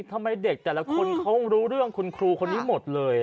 ทำไมเด็กแต่ละคนเขารู้เรื่องคุณครูคนนี้หมดเลย